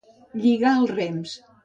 Lligar els rems.